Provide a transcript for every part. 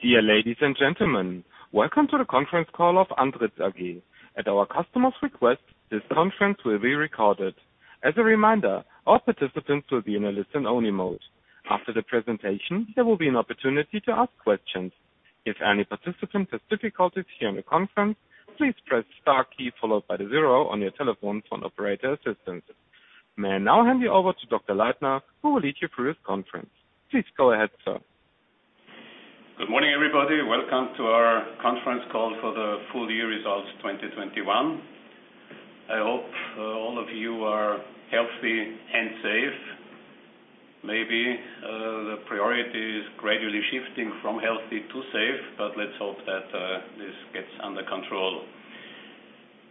Dear ladies and gentlemen, welcome to the conference call of Andritz AG. At our customer's request, this conference will be recorded. As a reminder, all participants will be in a listen-only mode. After the presentation, there will be an opportunity to ask questions. If any participant has difficulties here in the conference, please press star key followed by the zero on your telephone for an operator assistance. May I now hand you over to Dr. Leitner, who will lead you through this conference. Please go ahead, sir. Good morning, everybody. Welcome to our conference call for the full year results 2021. I hope all of you are healthy and safe. Maybe the priority is gradually shifting from healthy to safe, but let's hope that this gets under control.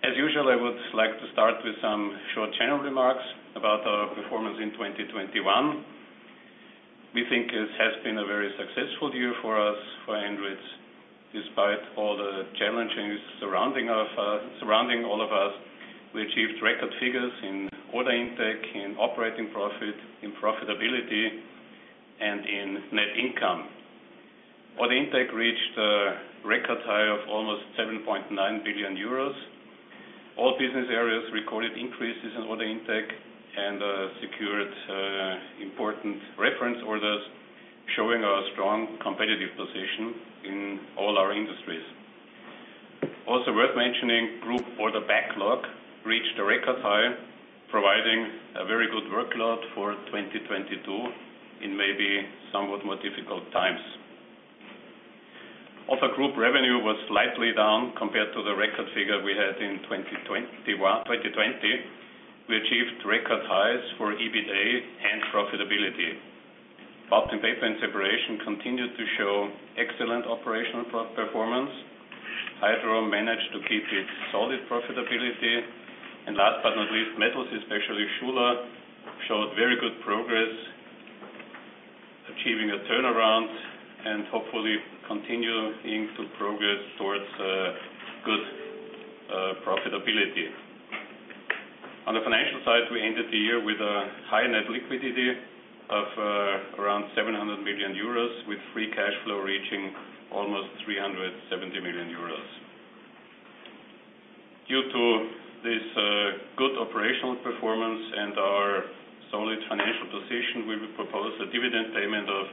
As usual, I would like to start with some short general remarks about our performance in 2021. We think it has been a very successful year for us, for Andritz, despite all the challenges surrounding all of us. We achieved record figures in order intake, in operating profit, in profitability, and in net income. Order intake reached a record high of almost 7.9 billion euros. All business areas recorded increases in order intake and secured important reference orders, showing a strong competitive position in all our industries. Worth mentioning, Group order backlog reached a record high, providing a very good workload for 2022 in maybe somewhat more difficult times. Group revenue was slightly down compared to the record figure we had in 2020. We achieved record highs for EBITA and profitability. Pulp & Paper and Separation continued to show excellent operational performance. Hydro managed to keep its solid profitability. Last but not least, Metals, especially Schuler, showed very good progress, achieving a turnaround and hopefully continuing to progress towards good profitability. On the financial side, we ended the year with a high net liquidity of around 700 million euros, with free cash flow reaching almost 370 million euros. Due to this good operational performance and our solid financial position, we will propose a dividend payment of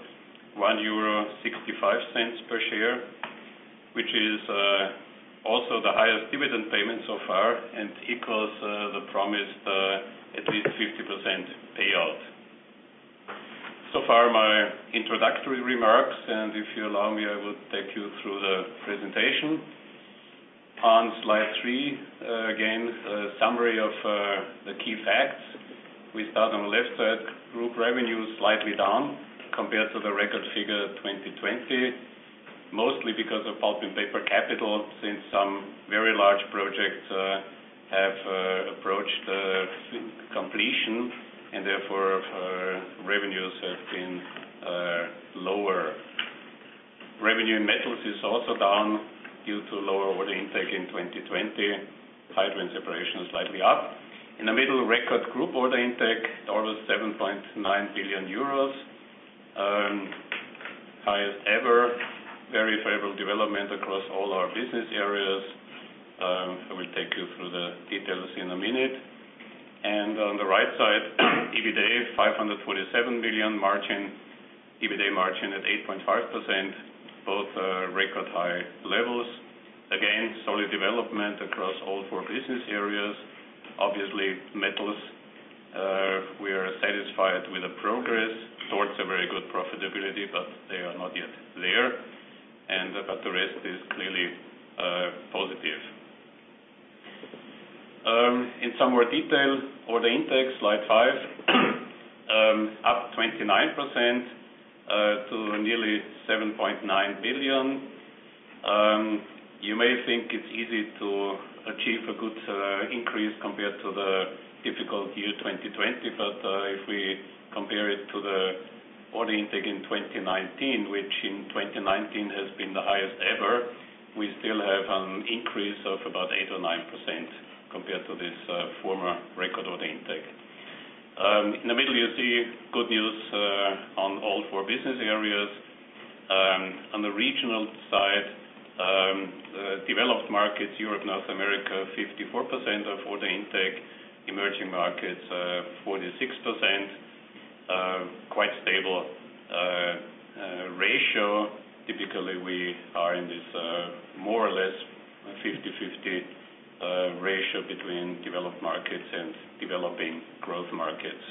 1.65 euro per share, which is also the highest dividend payment so far and equals the promised at least 50% payout. So far my introductory remarks, and if you allow me, I will take you through the presentation. On slide three, again, a summary of the key facts. We start on the left side. Group revenue is slightly down compared to the record figure in 2020, mostly because of Pulp & Paper Capital, since some very large projects have approached completion and therefore revenues have been lower. Revenue in Metals is also down due to lower order intake in 2020. Hydro and Separation is slightly up. In the middle, record group order intake, almost 7.9 billion euros, highest ever. Very favorable development across all our business areas. I will take you through the details in a minute. On the right side, EBITA, 547 million margin. EBITA margin at 8.5%, both record high levels. Again, solid development across all four business areas. Obviously, Metals, we are satisfied with the progress towards a very good profitability, but they are not yet there. But the rest is clearly positive. In some more detail, order intake, slide five, up 29% to nearly 7.9 billion. You may think it's easy to achieve a good increase compared to the difficult year 2020, but if we compare it to the order intake in 2019, which in 2019 has been the highest ever, we still have an increase of about 8% or 9% compared to this former record order intake. In the middle, you see good news on all four business areas. On the regional side, developed markets, Europe, North America, 54% of order intake. Emerging markets, 46%. Quite stable ratio. Typically, we are in this more or less 50/50 ratio between developed markets and developing growth markets.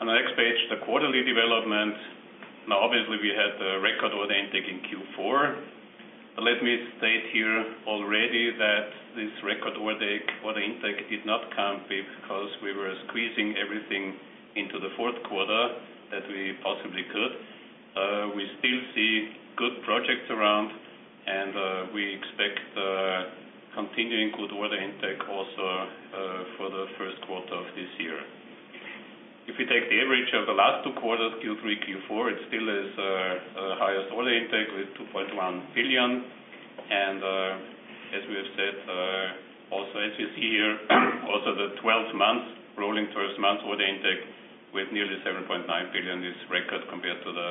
On the next page, the quarterly development. Now, obviously, we had a record order intake in Q4. Let me state here already that this record order intake did not come because we were squeezing everything into the fourth quarter that we possibly could. We still see good projects around and we expect continuing good order intake also for the first quarter of this year. If we take the average of the last two quarters, Q3, Q4, it still is with 2.1 billion. As we have said, also as you see here, also the twelve months, rolling twelve months order intake with nearly 7.9 billion is record compared to the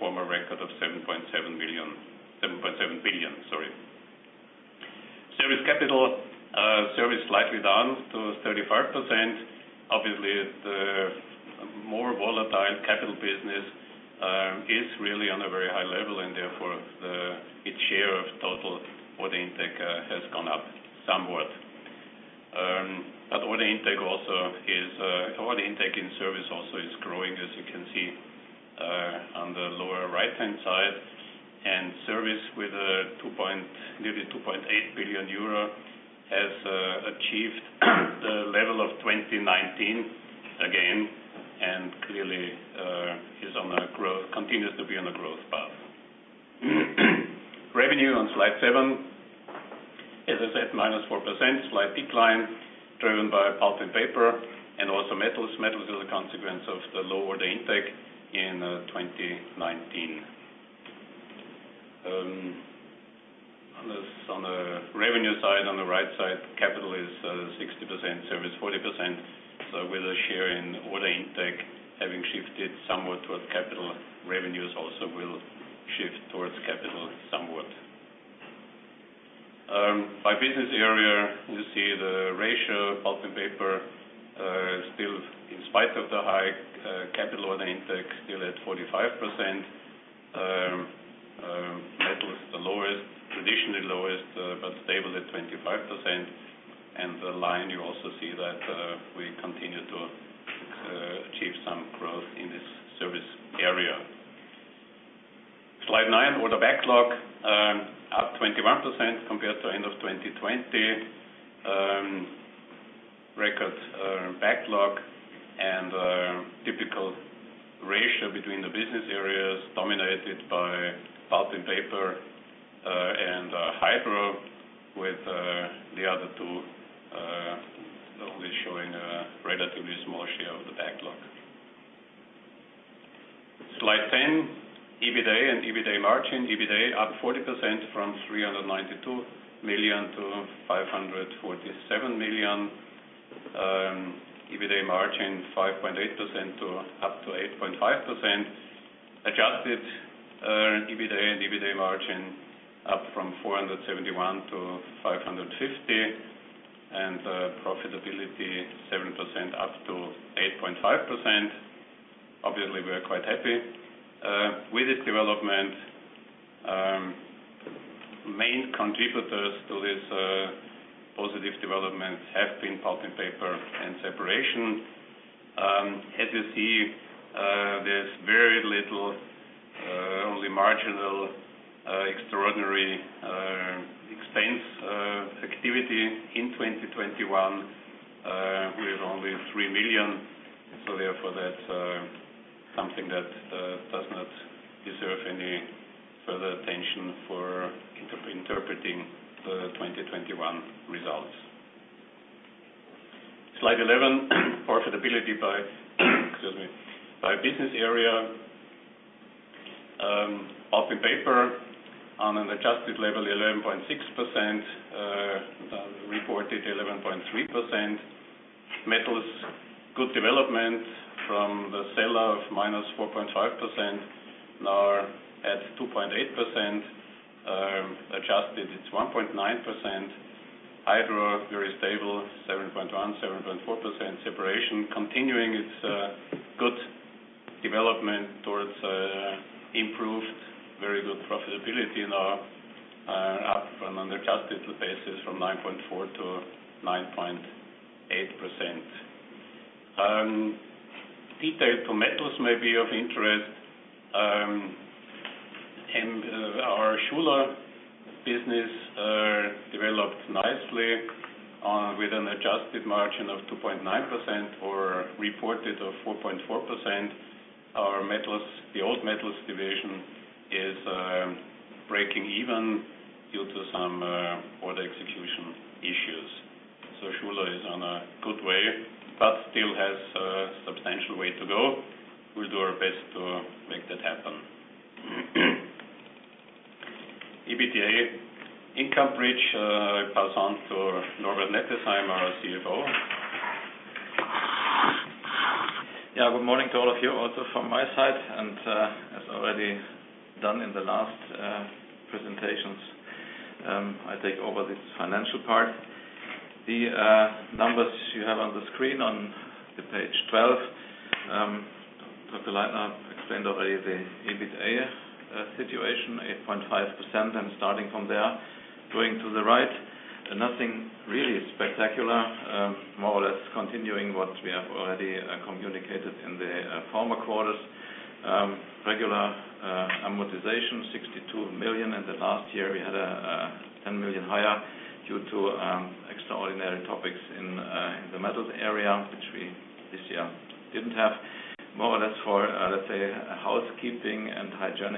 former record of 7.7 billion, 7.7 billion, sorry. Service CapEx, service slightly down to 35%. Obviously, the more volatile capital business is really on a very high level and therefore its share of total order intake has gone up somewhat. Order intake in service also is growing, as you can see, on the lower right-hand side. Service with nearly 2.8 billion euro has achieved the level of 2019 again, and clearly is on a growth, continues to be on a growth path. Revenue on slide seven. As I said, -4%, slight decline driven by Pulp & Paper and also Metals. Metals is a consequence of the lower order intake in 2019. On the revenue side, on the right side, capital is 60%, service 40%. With a share in order intake having shifted somewhat towards capital, revenues also will shift towards capital somewhat. By business area, you see the ratio of Pulp & Paper still in spite of the high capital order intake, still at 45%. Metals is the lowest, traditionally lowest, but stable at 25%. The line, you also see that we continue to achieve some growth in this service area. Slide nine, order backlog up 21% compared to end of 2020. Record backlog and typical ratio between the business areas dominated by Pulp & Paper and Hydro with the other two only showing a relatively small share of the backlog. Slide 10, EBITA and EBITA margin. EBITA up 40% from 392 million to 547 million. EBITA margin 5.8% to up to 8.5%. Adjusted EBITA and EBITA margin up from 471 to 550. Profitability 7% up to 8.5%. Obviously, we are quite happy with this development. Main contributors to this positive development have been Pulp & Paper and Separation. As you see, there's very little, only marginal, extraordinary expense activity in 2021 with only 3 million. Therefore, that's something that does not deserve any further attention for interpreting the 2021 results. Slide 11. Profitability by business area. Pulp & Paper on an adjusted level, 11.6%, reported 11.3%. Metals, good development from a level of -4.5%, now at 2.8%. Adjusted, it's 1.9%. Hydro, very stable, 7.1%-7.4%. Separation, continuing its good development towards improved very good profitability now, up from an adjusted basis from 9.4%-9.8%. Details on metals may be of interest. Our Schuler business developed nicely with an adjusted margin of 2.9% or reported of 4.4%. Our Metals, the old metals division is breaking even due to some order execution issues. Schuler is on a good way, but still has a substantial way to go. We'll do our best to make that happen. EBITA income bridge, I pass on to Norbert Nettesheim, our CFO. Yeah, good morning to all of you also from my side. As already done in the last presentations, I take over this financial part. The numbers you have on the screen on page 12. Dr. Leitner explained already the EBITA situation, 8.5%. Starting from there, going to the right, nothing really spectacular. More or less continuing what we have already communicated in the former quarters. Regular amortization, 62 million. In the last year, we had a 10 million higher due to extraordinary topics in the Metals area, which we this year didn't have. More or less, for let's say, housekeeping and hygiene,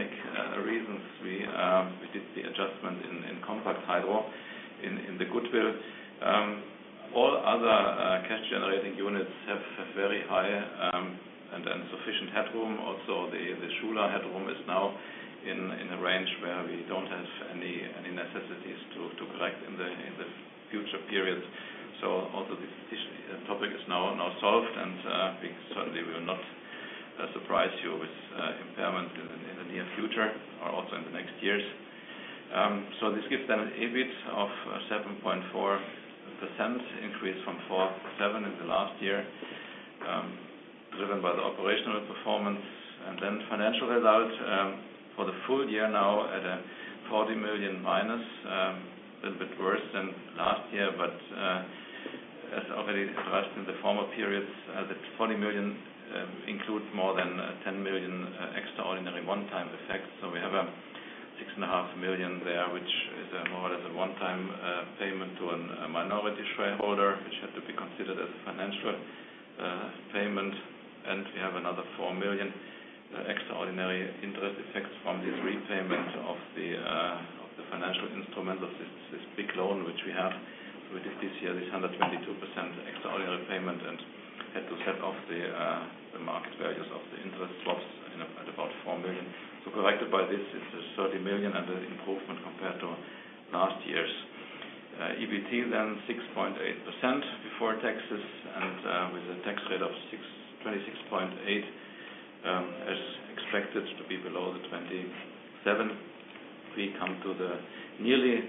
we did the adjustment in Compact Hydro in the goodwill. All other cash-generating units have very high and sufficient headroom. Also, the Schuler headroom is now in a range where we don't have any necessities to collect in the future periods. This topic is now solved and certainly we will not surprise you with impairment in the near future or also in the next years. This gives them an EBIT of 7.4% increase from 4%-7% in the last year, driven by the operational performance. Then financial result for the full year now at -40 million, a little bit worse than last year. As already discussed in the former periods, the 40 million includes more than 10 million extraordinary one-time effects. We have 6.5 million there, which is more or less a one-time payment to a minority shareholder, which had to be considered as financial payment. We have another 4 million extraordinary interest effects from this repayment of the financial instrument of this big loan which we have. We did this year this 122% extraordinary repayment and had to set off the market values of the interest rate swaps at about 4 million. Corrected by this, it's a 30 million improvement compared to last year's. EBT then 6.8% before taxes and with a tax rate of 26.8%, as expected to be below the 27%. We come to the nearly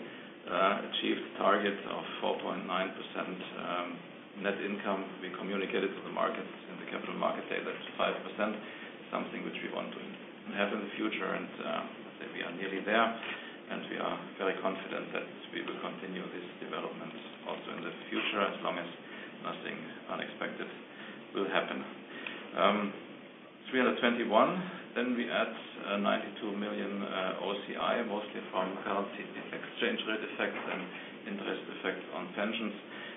achieved target of 4.9% net income. We communicated to the markets in the Capital Markets Day that 5% is something which we want to have in the future. I'd say we are nearly there, and we are very confident that we will continue these developments also in the future as long as nothing unexpected will happen. 321 million, then we add 92 million OCI, mostly from currency exchange rate effects and interest effects on pensions,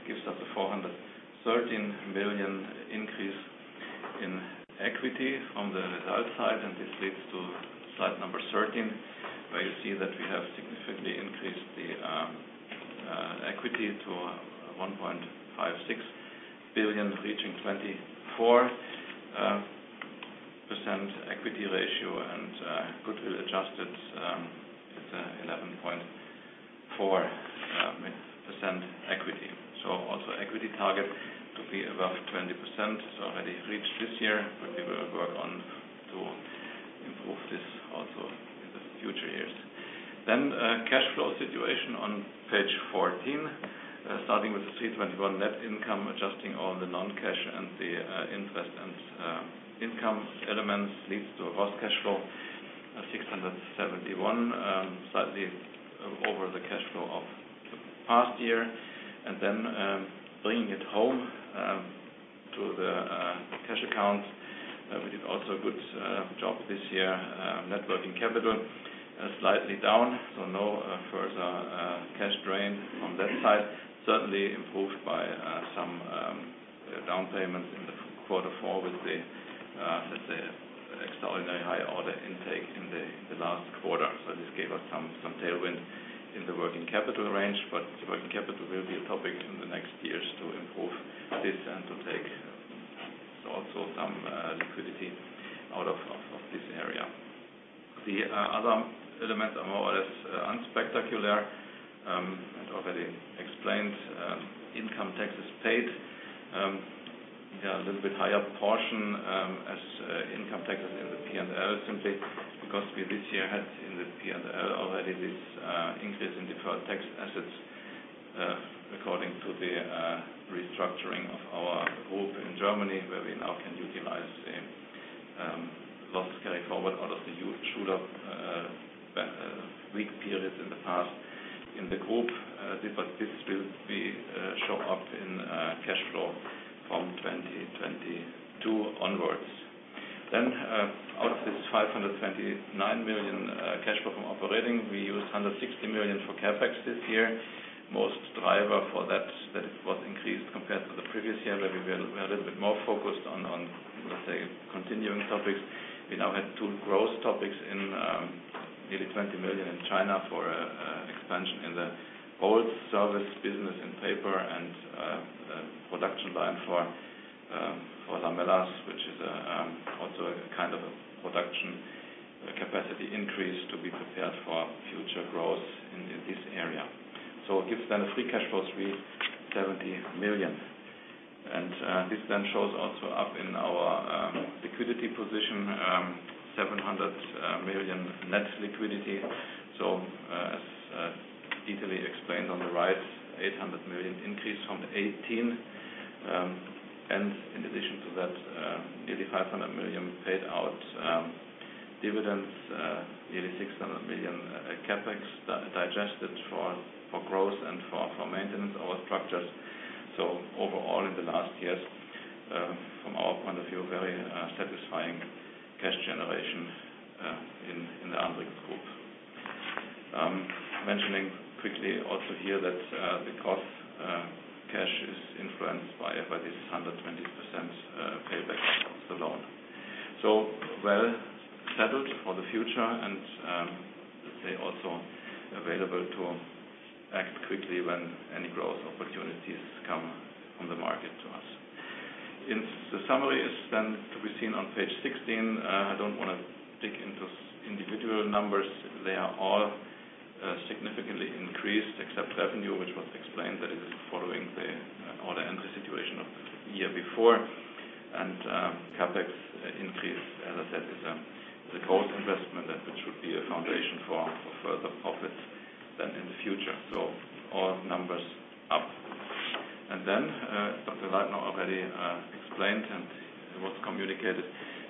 gives us a 413 million increase in equity from the result side. This leads to slide 13, where you see that we have significantly increased the equity to 1.56 billion, reaching 24% equity ratio. Goodwill adjusted, it's 11.4% equity. Also equity target to be above 20%. It's already reached this year, but we will work on to improve this also in the future years. Cash flow situation on page 14. Starting with 321 million net income, adjusting all the non-cash and the interest and income elements leads to a gross cash flow of 671 million, slightly over the cash flow of the past year. Bringing it home to the cash account, we did also a good job this year. Net working capital slightly down, so no further cash drain from that side. Certainly improved by some down payments in the quarter four with the, let's say, extraordinary high order intake in the last quarter. This gave us some tailwind in the working capital range. Working capital will be a topic in the next years to improve this and to take also some liquidity out of this area. The other elements are more or less unspectacular and already explained. Income taxes paid, yeah, a little bit higher portion as income taxes in the P&L simply because we this year had in the P&L already this increase in deferred tax assets according to the restructuring of our group in Germany, where we now can utilize loss carryforward out of the Schuler periods in the past in the group. This will show up in cash flow from 2022 onwards. Out of this 529 million cash flow from operating, we used 160 million for CapEx this year. Most driver for that was increased compared to the previous year, where we're a little bit more focused on, let's say, continuing topics. We now had two growth topics in nearly 20 million in China for expansion in the old service business in paper and a production line for lamellas, which is also a kind of a production capacity increase to be prepared for future growth in this area. It gives then a free cash flow of 370 million. This then shows also up in our liquidity position, 700 million net liquidity. As easily explained on the right, 800 million increase from 2018. In addition to that, nearly 500 million paid out dividends, nearly 600 million CapEx digested for growth and for maintenance of our structures. Overall, in the last years, from our point of view, very satisfying cash generation in the Andritz Group. Mentioning quickly also here that the cash cost is influenced by this 120% payback of the loan. Well settled for the future and, let's say also available to act quickly when any growth opportunities come on the market to us. In the summary is then to be seen on page 16. I don't wanna dig into individual numbers. They are all significantly increased except revenue, which was explained that it is following the order entry situation of the year before. CapEx increase, as I said, is a core investment and which should be a foundation for further profits in the future. All numbers up. Dr. Leitner already explained and what's communicated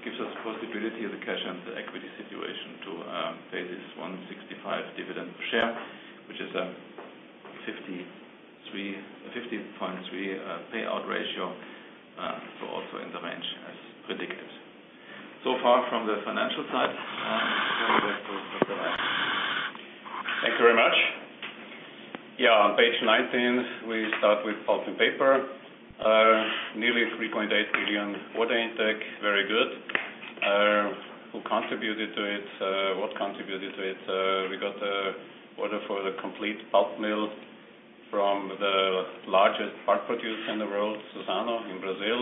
gives us possibility of the cash and the equity situation to pay this 1.65 dividend per share, which is a 50.3% payout ratio, so also in the range as predicted. So far from the financial side, going back to Dr. Leitner. Thank you very much. Yeah, on page 19, we start with Pulp & Paper. Nearly 3.8 billion order intake. Very good. What contributed to it? We got a order for the complete pulp mill from the largest pulp producer in the world, Suzano in Brazil.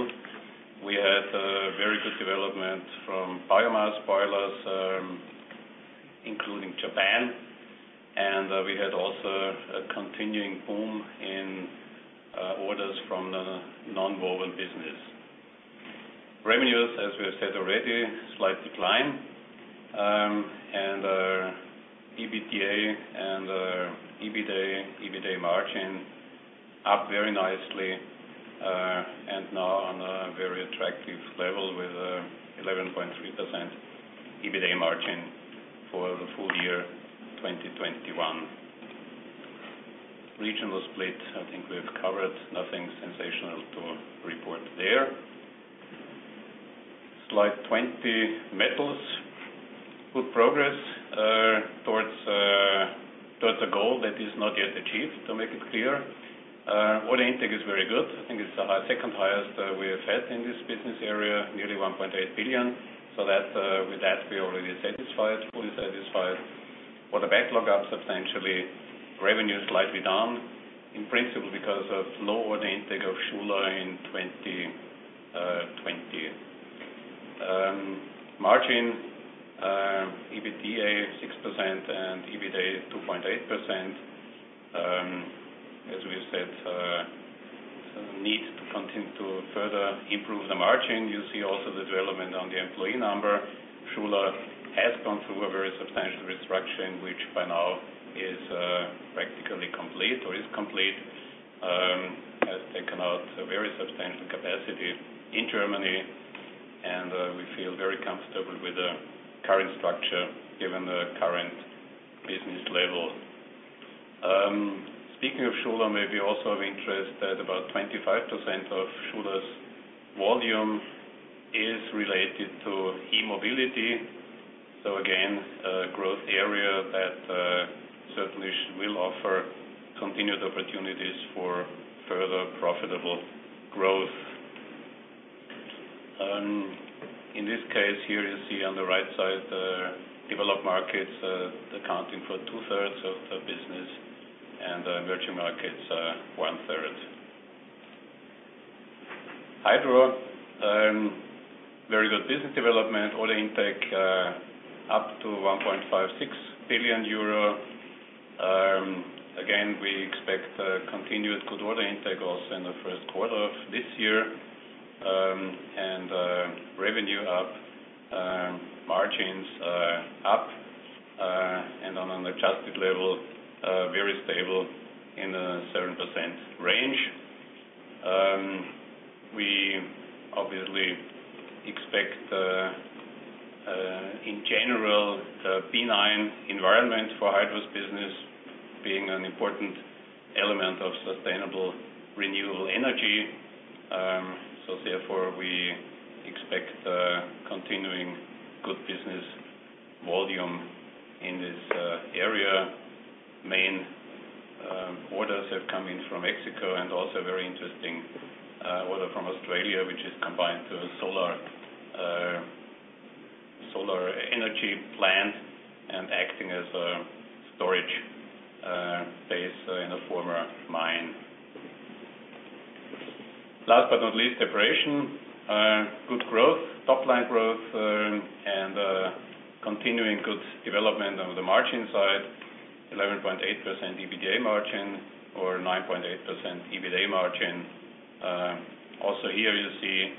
We had a very good development from biomass boilers, including Japan, and we had also a continuing boom in orders from the nonwoven business. Revenues, as we have said already, slight decline. EBITDA and EBITA margin up very nicely, and now on a very attractive level with 11.3% EBITA margin for the full year 2021. Regional split, I think we've covered. Nothing sensational to report there. Slide 20, Metals. Good progress towards a goal that is not yet achieved, to make it clear. Order intake is very good. I think it's the high, second-highest we have had in this business area, nearly 1.8 billion. With that, we are already satisfied, fully satisfied. Order backlog up substantially. Revenue slightly down, in principle, because of lower order intake of Schuler in 2020. Margin, EBITDA 6% and EBITA 2.8%. As we said, need to continue to further improve the margin. You see also the development on the employee number. Schuler has gone through a very substantial restructuring, which by now is practically complete or is complete, has taken out a very substantial capacity in Germany, and we feel very comfortable with the current structure given the current business level. Speaking of Schuler, maybe also of interest that about 25% of Schuler's volume is related to e-mobility. Again, a growth area that certainly will offer continued opportunities for further profitable growth. In this case here, you see on the right side the developed markets accounting for 2/3 of the business and emerging markets 1/3. Hydro, very good business development. Order intake up to 1.56 billion euro. Again, we expect a continued good order intake also in the first quarter of this year. And revenue up, margins are up, and on an adjusted level very stable in a certain percent range. We obviously expect in general a benign environment for Hydro's business being an important element of sustainable renewable energy. Therefore, we expect a continuing good business volume in this area. Main orders have come in from Mexico and also very interesting order from Australia, which is combined to a solar energy plant and acting as a storage base in a former mine. Last but not least, Separation. Good growth, top-line growth, and continuing good development on the margin side. 11.8% EBITDA margin or 9.8% EBITA margin. Also here you see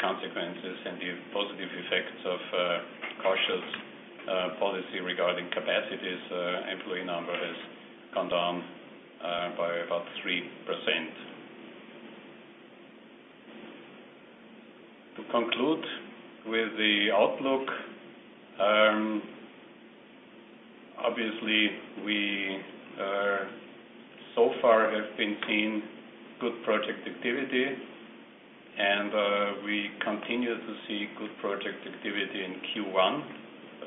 consequences and the positive effects of a cautious policy regarding capacities. Employee number has come down by about 3%. To conclude with the outlook, obviously, so far we have been seeing good project activity and we continue to see good project activity in Q1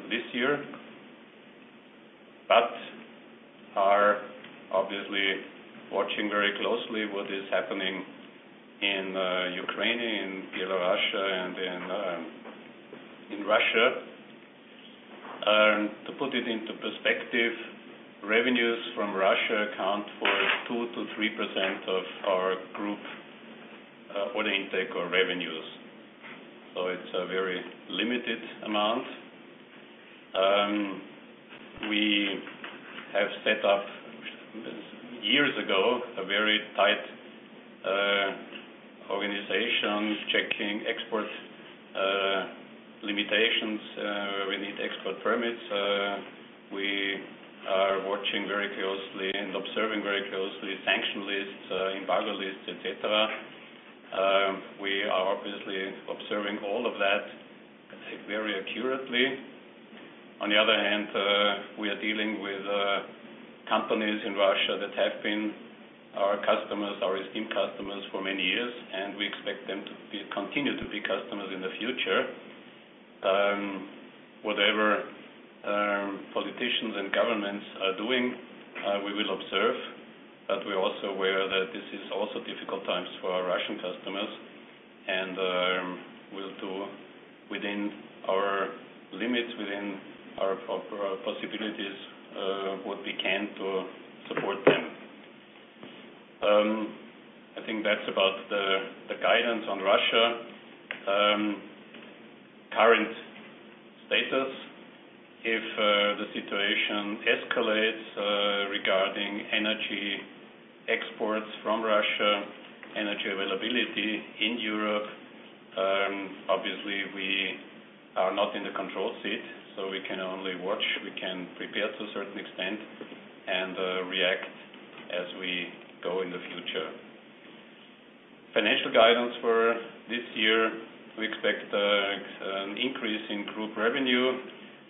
this year, but are obviously watching very closely what is happening in Ukraine, in Belarus, and in Russia. To put it into perspective, revenues from Russia account for 2%-3% of our group order intake or revenues. It's a very limited amount. We have set up, years ago, a very tight organization checking export limitations. We need export permits. We are watching very closely and observing very closely sanction lists, embargo lists, et cetera. We are obviously observing all of that very accurately. On the other hand, we are dealing with companies in Russia that have been our customers, our esteemed customers for many years, and we expect them to be customers in the future. Whatever politicians and governments are doing, we will observe, but we're also aware that this is also difficult times for our Russian customers. We'll do within our limits, within our possibilities, what we can to support them. I think that's about the guidance on Russia, current status. If the situation escalates regarding energy exports from Russia, energy availability in Europe, obviously, we are not in the control seat, so we can only watch. We can prepare to a certain extent and react as we go in the future. Financial guidance for this year, we expect an increase in group revenue,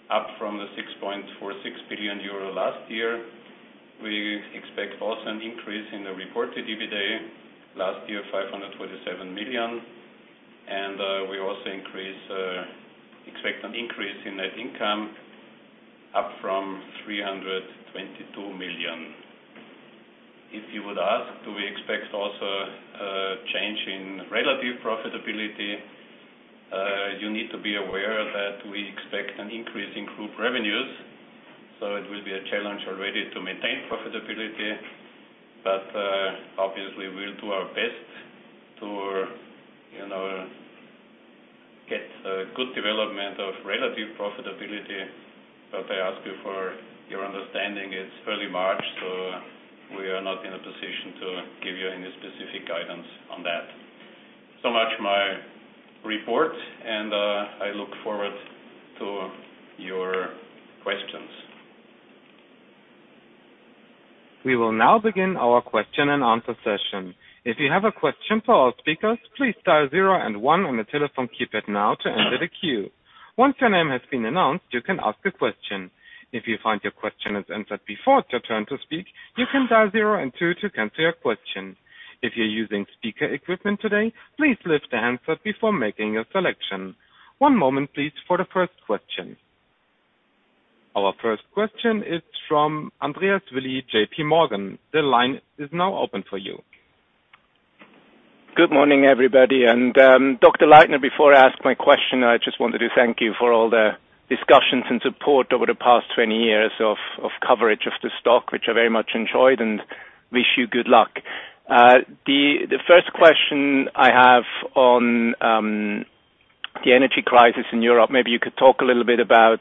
up from the 6.46 billion euro last year. We expect also an increase in the reported EBITDA, last year's 527 million. We also expect an increase in net income up from 322 million. If you would ask, do we expect also a change in relative profitability, you need to be aware that we expect an increase in group revenues, so it will be a challenge already to maintain profitability. Obviously, we'll do our best to, you know, get a good development of relative profitability. I ask you for your understanding. It's early March, so we are not in a position to give you any specific guidance on that. So much, my report, and I look forward to your questions. We will now begin our question-and-answer session. If you have a question for our speakers, please dial zero and one on the telephone keypad now to enter the queue. Once your name has been announced, you can ask a question. If you find your question is answered before it's your turn to speak, you can dial zero and two to cancel your question. If you're using speaker equipment today, please lift the handset before making a selection. One moment, please, for the first question. Our first question is from Andreas Willi, JPMorgan. The line is now open for you. Good morning, everybody. Dr. Leitner, before I ask my question, I just wanted to thank you for all the discussions and support over the past 20 years of coverage of the stock, which I very much enjoyed, and wish you good luck. The first question I have on the energy crisis in Europe, maybe you could talk a little bit about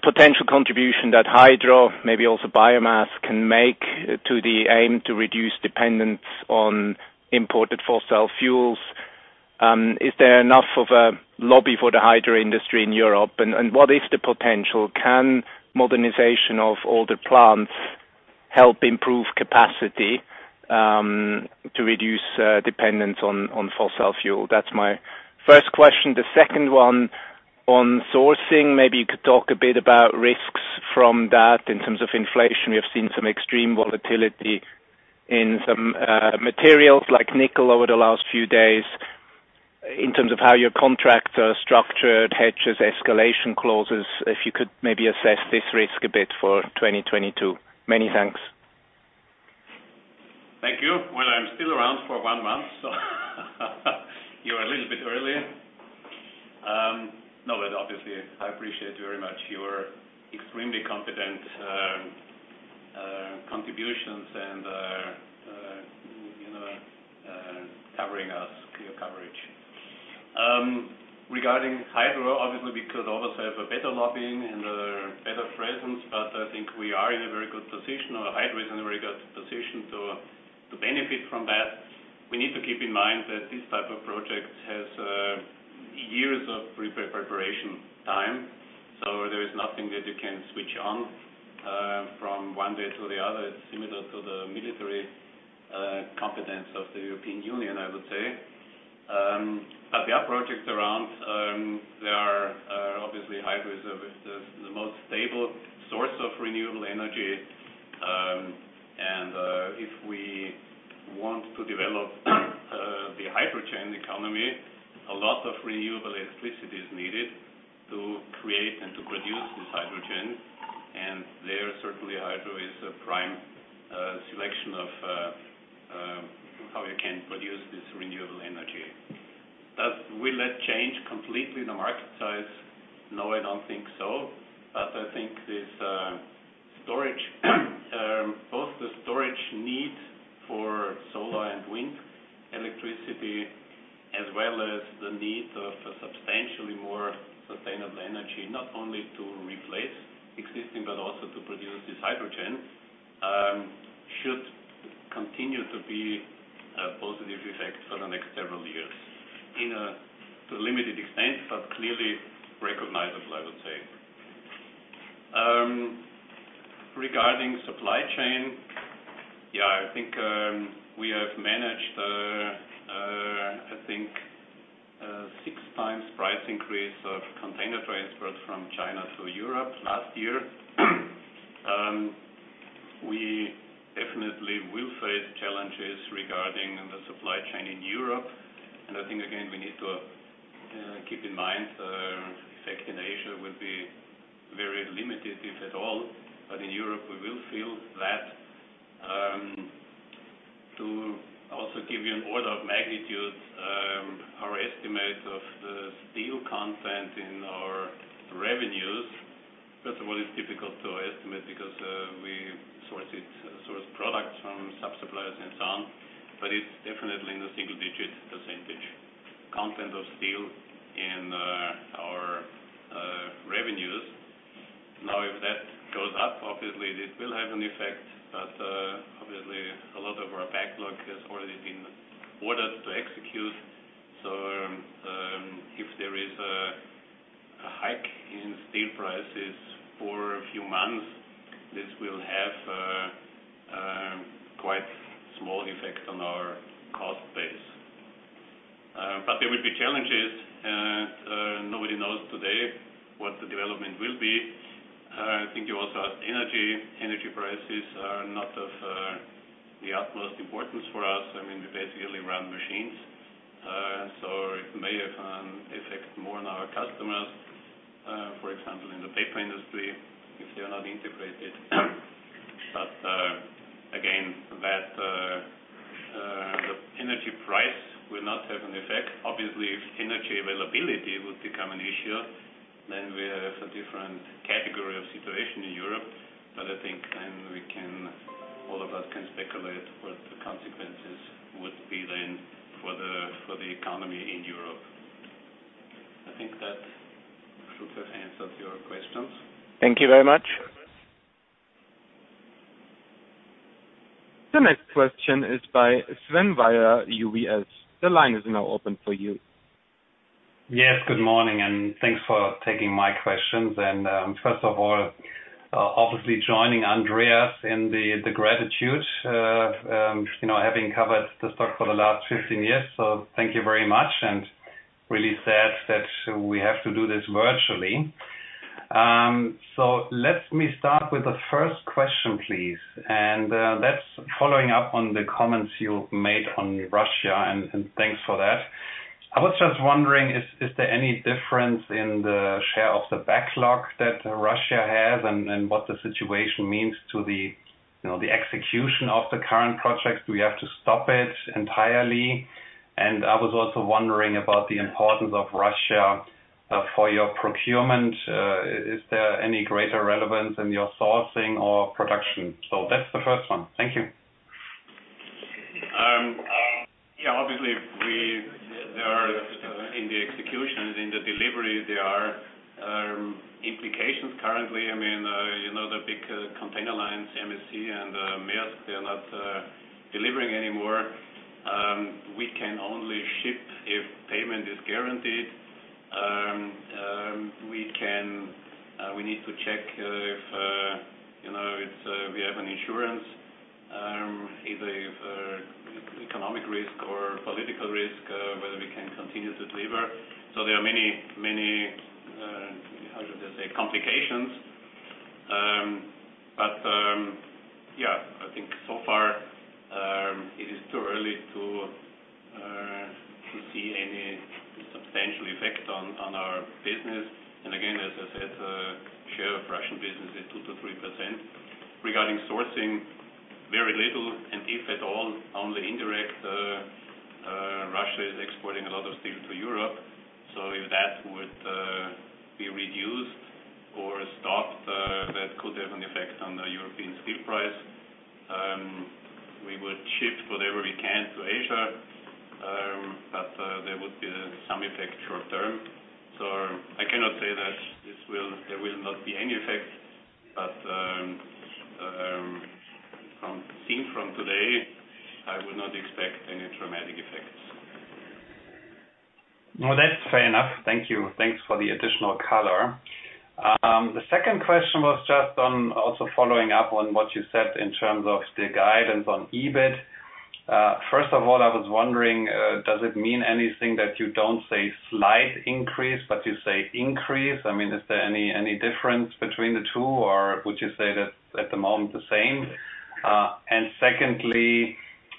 the potential contribution that hydro, maybe also biomass, can make to the aim to reduce dependence on imported fossil fuels. Is there enough of a lobby for the hydro industry in Europe? What is the potential? Can modernization of older plants help improve capacity to reduce dependence on fossil fuel? That's my first question. The second one on sourcing, maybe you could talk a bit about risks from that in terms of inflation. We have seen some extreme volatility in some materials like nickel over the last few days in terms of how your contracts are structured, hedges, escalation clauses. If you could maybe assess this risk a bit for 2022? Many thanks. Thank you. Well, I'm still around for one month, so you're a little bit early. No, but obviously, I appreciate very much your extremely competent contributions and, you know, covering us, your coverage. Regarding Hydro, obviously we could always have a better lobbying and a better presence, but I think we are in a very good position. Our Hydro is in a very good position to benefit from that. We need to keep in mind that this type of project has years of preparation time, so there is nothing that you can switch on from one day to the other. It's similar to the military competence of the European Union, I would say, but there are projects around. They are, obviously Hydro's the most stable source of renewable energy. If we want to develop the hydrogen economy, a lot of renewable electricity is needed to create and to produce this hydrogen. There, certainly Hydro is a prime selection of how you can produce this renewable energy. Will that change completely the market size? No, I don't think so. I think this storage, both the storage need for solar and wind electricity, as well as the need of a substantially more sustainable energy, not only to replace existing, but also to produce this hydrogen, should continue to be a positive effect for the next several years in a limited extent, but clearly recognizable, I would say. Regarding supply chain, I think we have managed six times price increase of container transport from China to Europe last year. We definitely will face challenges regarding the supply chain in Europe. I think again, we need to keep in mind the effect in Asia will be very limited, if at all. In Europe we will feel that. To also give you an order of magnitude, our estimate of the steel content in our revenues, first of all, it's difficult to estimate because we source products from sub-suppliers and so on, but it's definitely in the single-digit percentage content of steel in our revenues. Now, if that goes up, obviously this will have an effect, but obviously a lot of our backlog has already been ordered to execute. If there is a hike in steel prices for a few months, this will have a quite small effect on our cost base. There will be challenges, and nobody knows today what the development will be. I think you also asked Energy. Energy prices are not of the utmost importance for us. I mean, we basically run machines. It may have an effect more on our customers, for example, in the paper industry, if they are not integrated. Again, the energy price will not have an effect. Obviously, if energy availability would become an issue, then we have a different category of situation in Europe. I think then all of us can speculate what the consequences would be then for the economy in Europe. I think that should have answered your questions. Thank you very much. The next question is by Sven Weier, UBS. The line is now open for you. Yes, good morning, and thanks for taking my questions. First of all, obviously joining Andreas in the gratitude, you know, having covered the stock for the last 15 years. Thank you very much, and really sad that we have to do this virtually. Let me start with the first question, please, and that's following up on the comments you made on Russia, and thanks for that. I was just wondering, is there any difference in the share of the backlog that Russia has and what the situation means to the, you know, the execution of the current projects? Do we have to stop it entirely? I was also wondering about the importance of Russia for your procurement. Is there any greater relevance in your sourcing or production? That's the first one. Thank you. Obviously, there are implications currently in the execution, in the delivery. I mean, you know, the big container lines, MSC and Maersk, they're not delivering anymore. We can only ship if payment is guaranteed. We need to check if, you know, we have an insurance either for economic risk or political risk, whether we can continue to deliver. There are many, how should I say, complications. I think so far it is too early to see any substantial effect on our business. Again, as I said, share of Russian business is 2%-3%. Regarding sourcing, very little and if at all, only indirect. Russia is exporting a lot of steel to Europe, so if that would be reduced or stopped, that could have an effect on the European steel price. We would shift whatever we can, to Asia. There would be some effect short-term. I cannot say that there will not be any effect, but seen from today, I would not expect any dramatic effects. No, that's fair enough. Thank you. Thanks for the additional color. The second question was just on also following up on what you said in terms of the guidance on EBIT. First of all, I was wondering, does it mean anything that you don't say slight increase, but you say increase? I mean, is there any difference between the two, or would you say that at the moment the same? And secondly,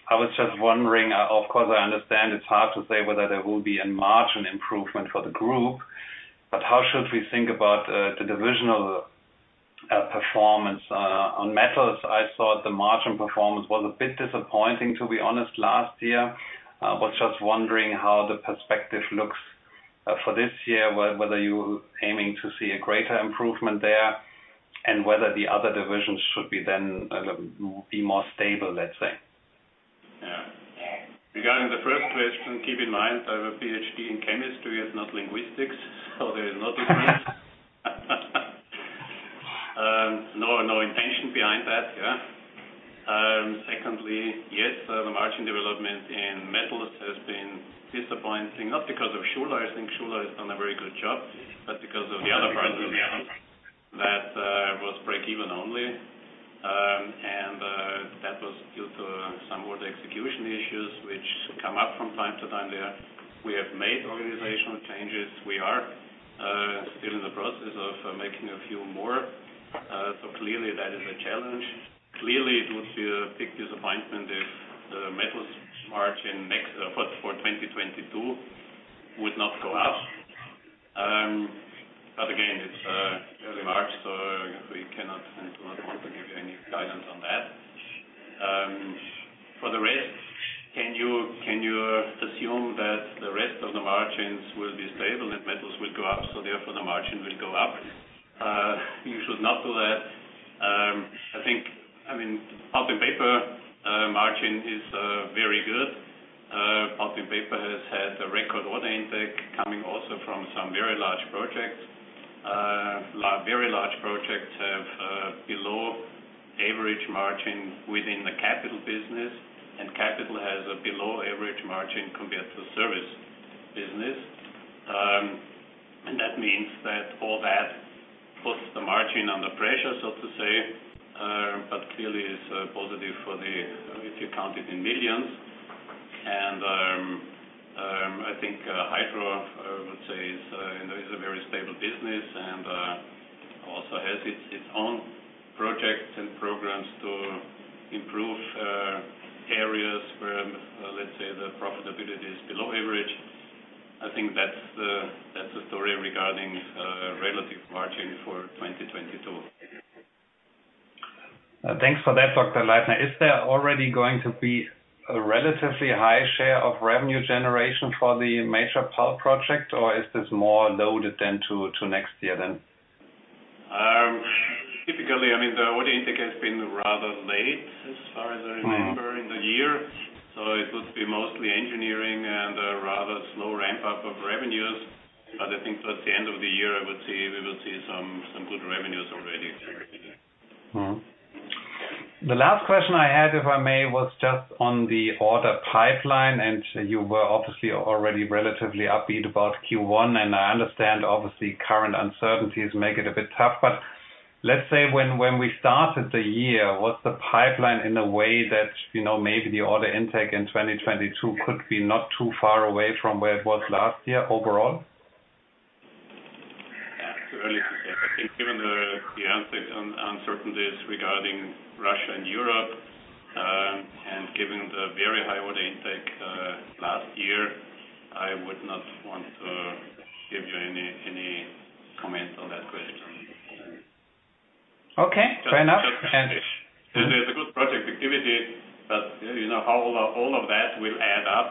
I was just wondering, of course, I understand it's hard to say whether there will be a margin improvement for the group, but how should we think about the divisional performance on Metals? I thought the margin performance was a bit disappointing, to be honest, last year. I was just wondering how the perspective looks for this year, whether you're aiming to see a greater improvement there and whether the other divisions should be then be more stable, let's say. Yeah. Regarding the first question, keep in mind I have a PhD in chemistry, it's not linguistics, so there is no difference. No, no intention behind that. Yeah. Secondly, yes, the margin development in Metals has been disappointing, not because of Schuler. I think Schuler has done a very good job, but because of the other parts of the business that was breakeven only. That was due to some order execution issues which come up from time to time there. We have made organizational changes. We are still in the process of making a few more. Clearly that is a challenge. Clearly, it would be a big disappointment if the Metals margin mix for 2022 would not go up. Again, it's early March, so we cannot and do not want to give you any guidance on that. For the rest, can you assume that the rest of the margins will be stable and Metals will go up, so therefore the margin will go up? You should not do that. I mean, Pulp & Paper margin is very good. Pulp & Paper has had a record order intake coming also from some very large projects. Very large projects have below average margin within the capital business, and capital has a below average margin compared to service business. That means that all that puts the margin under pressure, so to say, clearly is positive if you count it in millions. I think Hydro, I would say, is, you know, a very stable business and also has its own projects and programs to improve areas where, let's say, the profitability is below average. I think that's the story regarding relative margin for 2022. Thanks for that, Dr. Leitner. Is there already going to be a relatively high share of revenue generation for the major power project, or is this more loaded than to next year? Typically, I mean, the order intake has been rather late as far as I remember in the year, so it would be mostly engineering and a rather slow ramp-up of revenues. I think towards the end of the year, I would say we will see some good revenues already. The last question I had, if I may, was just on the order pipeline, and you were obviously already relatively upbeat about Q1, and I understand obviously current uncertainties make it a bit tough. But let's say when we started the year, was the pipeline in a way that, you know, maybe the order intake in 2022 could be not too far away from where it was last year overall? Yeah. It's early to say. I think given the uncertainties regarding Russia and Europe, and given the very high order intake last year, I would not want to give you any comments on that question. Okay. Fair enough. There's a good project activity, but, you know, how all of that will add up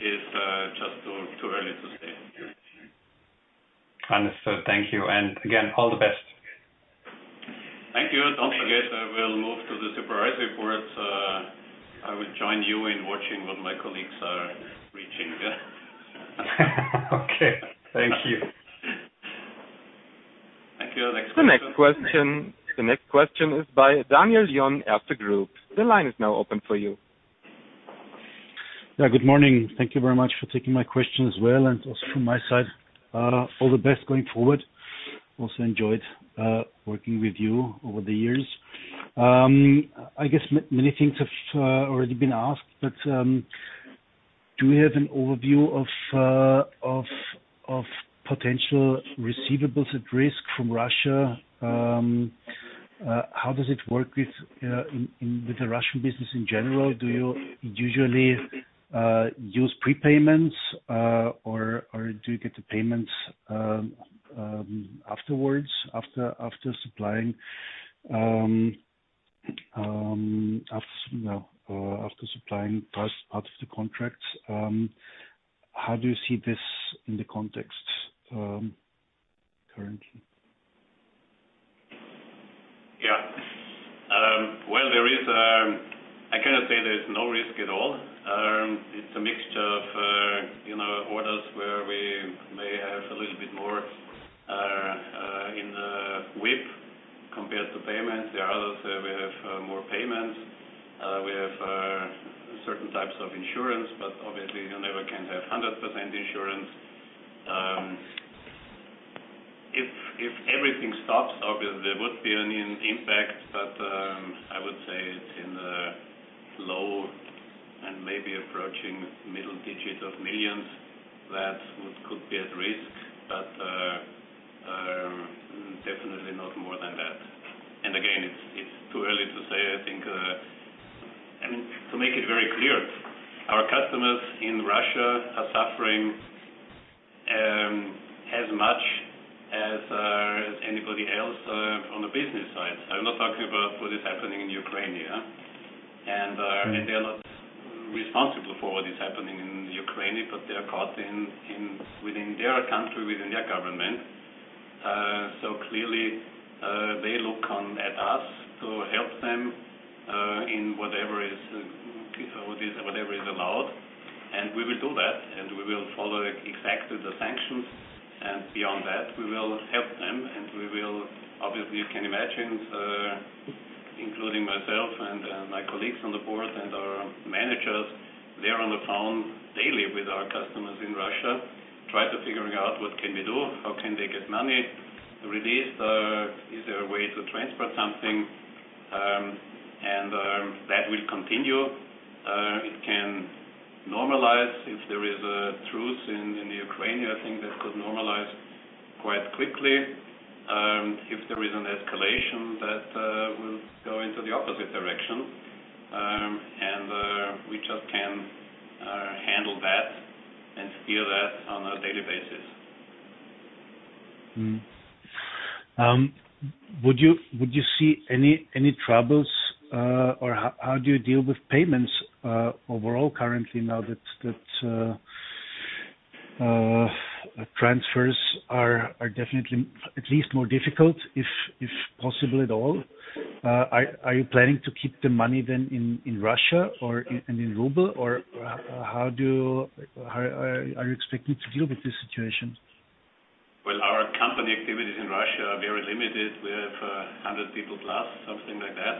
is just too early to say. Understood. Thank you. Again, all the best. Thank you. Don't forget, I will move to the supervisory board. I will join you in watching what my colleagues are reaching. Okay. Thank you. Thank you. Next question. The next question is by Daniel Lion, Erste Group. The line is now open for you. Yeah. Good morning. Thank you very much for taking my question as well, and also from my side, all the best going forward. Also enjoyed working with you over the years. I guess many things have already been asked, but do we have an overview of potential receivables at risk from Russia? How does it work with the Russian business in general? Do you usually use prepayments, or do you get the payments afterwards, after supplying, after you know, after supplying parts of the contracts? How do you see this in the context currently? Well, I cannot say there's no risk at all. It's a mixture of, you know, orders where we may have a little bit more WIP compared to payments, more payment, certain types of insurance, but obviously you never can have 100% insurance. If everything stops, obviously there would be an impact, but I would say it's in the low and maybe approaching middle digits of millions that could be at risk. But definitely not more than that. Again, it's too early to say, I think. I mean, to make it very clear, our customers in Russia are suffering as much as anybody else from the business side. I'm not talking about what is happening in Ukraine here. They're not responsible for what is happening in Ukraine. They're caught within their country, within their government. Clearly, they look at us to help them in whatever is allowed. We will do that, and we will follow exactly the sanctions. Beyond that, we will help them, and we will obviously, you can imagine, including myself and my colleagues on the board and our managers, they're on the phone daily with our customers in Russia, try to figuring out what can we do, how can they get money released, is there a way to transfer something? That will continue. It can normalize if there is a truce in Ukraine. I think that could normalize quite quickly. If there is an escalation that will go into the opposite direction. We just can handle that and feel that on a daily basis. Would you see any troubles or how do you deal with payments overall currently now that transfers are definitely at least more difficult, if possible at all? Are you planning to keep the money then in Russia, in ruble? Or how are you expecting to deal with this situation? Well, our company activities in Russia are very limited. We have 100+ people, something like that,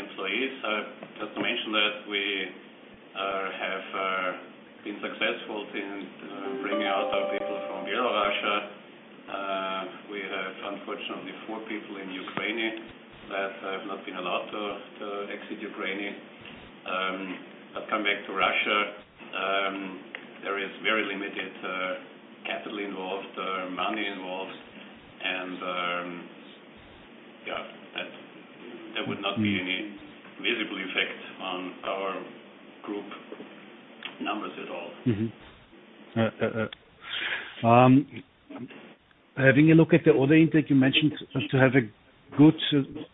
employees. Just to mention that we have been successful in bringing out our people from Belarus. We have unfortunately four people in Ukraine that have not been allowed to exit Ukraine, but come back to Russia. There is very limited capital involved, money involved. There would not be any visible effect on our group numbers at all. Having a look at the order intake, you mentioned to have a good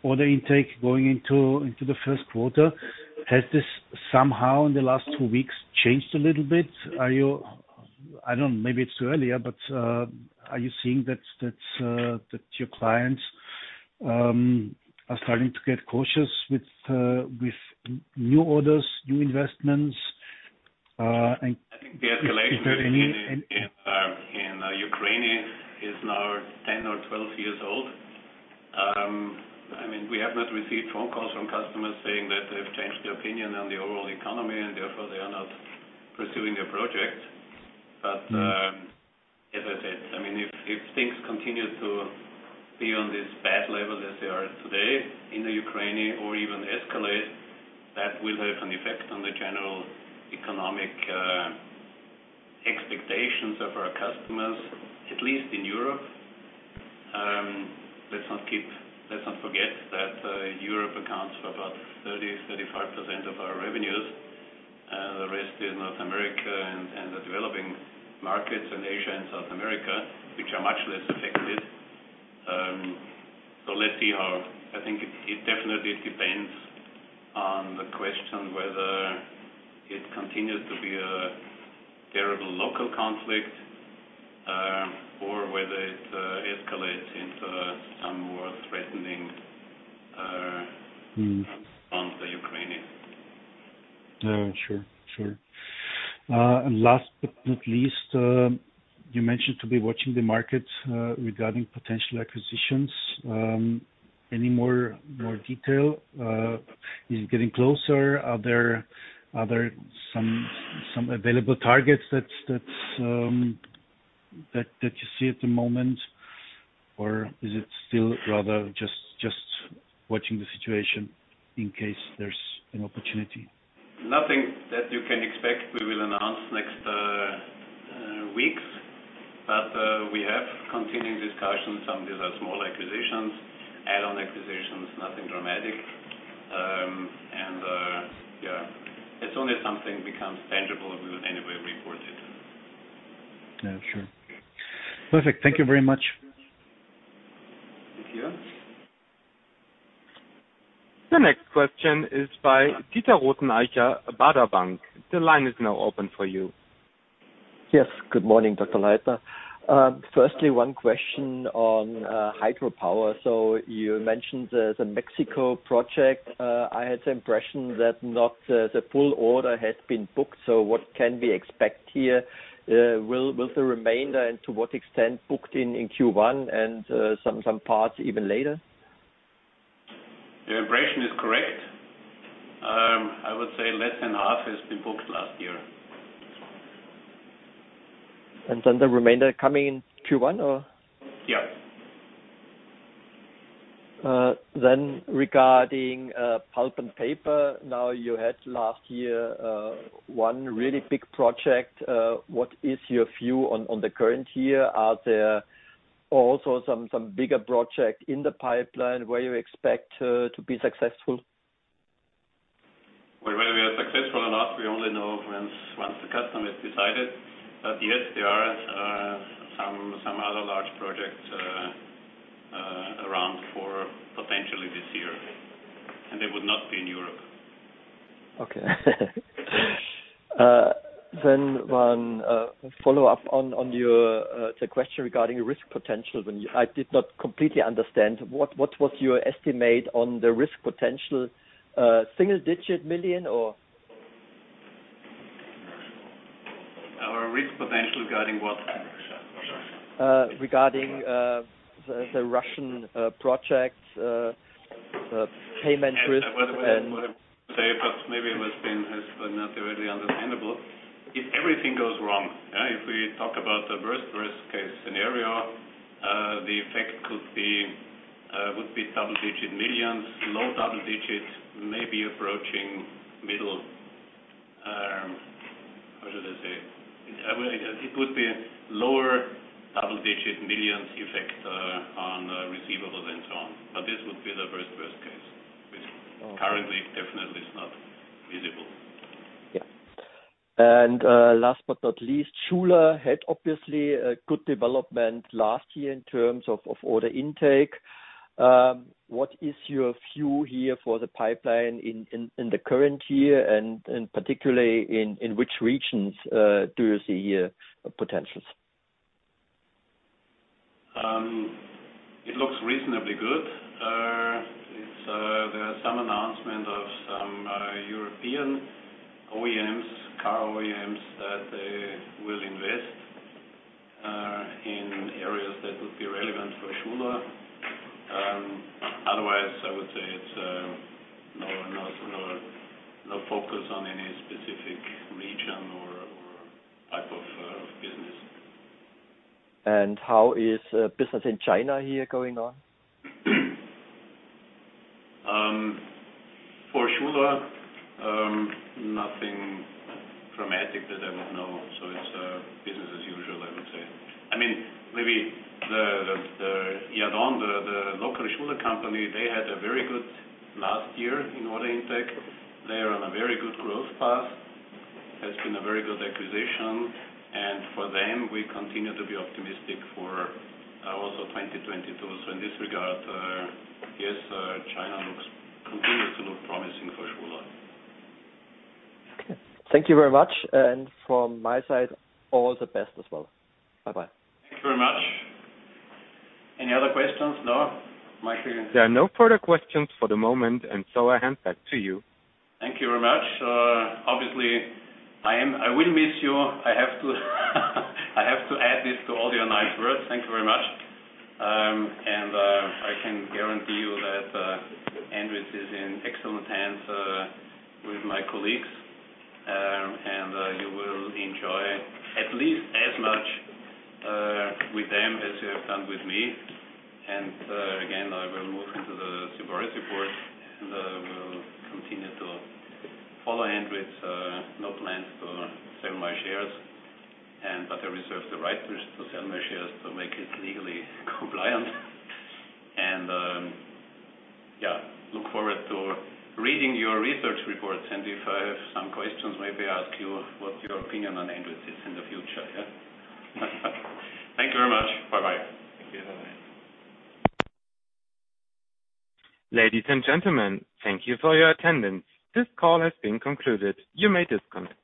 order intake going into the first quarter. Has this somehow in the last two weeks changed a little bit? I hope, maybe it's a bit earlier but are you seeing that your clients are starting to get cautious with new orders, new investments? I think the escalation. Is there any? In Ukraine, is now 10 or 12 years old. I mean, we have not received phone calls from customers saying that they've changed their opinion on the overall economy and therefore they are not pursuing their project. As I said, I mean, if things continue to be on this bad level as they are today in Ukraine or even escalate, that will have an effect on the general economic expectations of our customers, at least in Europe. Let's not forget that Europe accounts for about 30%-35% of our revenues. The rest is North America and the developing markets in Asia and South America, which are much less affected. I think it definitely depends on the question whether it continues to be a terrible local conflict, or whether it escalates into some more threatening. Mm-hmm. On the Ukrainians. Oh, true, sure. Last but not least, you mentioned to be watching the markets regarding potential acquisitions. Any more detail? Is it getting closer? Are there some available targets that's that you see at the moment? Is it still rather just watching the situation in case there's an opportunity? Nothing that you can expect we will announce next weeks. We have continuing discussions. Some of these are small acquisitions, add-on acquisitions, nothing dramatic. As soon as something becomes tangible, we will anyway report it. Yeah, sure. Perfect. Thank you very much. Thank you. The next question is by Peter Rothenaicher, Baader Bank. The line is now open for you. Yes. Good morning, Dr. Leitner. Firstly, one question on Hydropower. You mentioned the Mexico project. I had the impression that not the full order had been booked. What can we expect here? Will the remainder and to what extent booked in Q1 and some parts even later? Your impression is correct. I would say less than half has been booked last year. The remainder coming in Q1 or? Yeah. Regarding Pulp and Paper. Now you had last year one really big project. What is your view on the current year? Are there also some bigger project in the pipeline where you expect to be successful? Well, where we are successful or not, we only know once the customer has decided. Yes, there are some other large projects around for potentially this year, and they would not be in Europe. Okay. One follow-up on your question regarding risk potential. I did not completely understand what was your estimate on the risk potential, EUR single-digit million or? Our risk potential regarding what? Regarding the Russian projects, payment risk? What I would say, but maybe it has been not really understandable. If everything goes wrong, if we talk about the worst case scenario, the effect could be would be double-digit millions, low double digits, maybe approaching middle, how should I say? It would be lower double-digit millions effect on receivables and so on. This would be the worst case, which currently definitely is not visible. Yeah. Last but not least, Schuler had obviously a good development last year in terms of order intake. What is your view here for the pipeline in the current year? And particularly in which regions do you see potentials? It looks reasonably good. There are some announcements of some European OEMs, car OEMs, that they will invest in areas that would be relevant for Schuler. Otherwise I would say it's no focus on any specific region or type of business. How is business in China here going on? For Schuler, nothing dramatic that I would know. It's business as usual, I would say. I mean, maybe the Yadon, the local Schuler company, they had a very good last year in order intake. They are on a very good growth path, has been a very good acquisition. For them we continue to be optimistic for, also 2022. In this regard, yes, China continues to look promising for me. Okay. Thank you very much. From my side, all the best as well. Bye-bye. Thank you very much. Any other questions? No. Michael? There are no further questions for the moment, and so I hand back to you. Thank you very much. Obviously, I will miss you. I have to add this to all your nice words. Thank you very much. I can guarantee you that Andritz is in excellent hands with my colleagues. You will enjoy at least as much with them as you have done with me. Again, I will move into the supervisory board, and I will continue to follow Andritz. No plans to sell my shares but I reserve the right to sell my shares to make it legally compliant. I look forward to reading your research reports, and if I have some questions, maybe ask you what your opinion on Andritz is in the future. Thank you very much. Bye-bye. Thank you. Bye-bye. Ladies and gentlemen, thank you for your attendance. This call has been concluded. You may disconnect.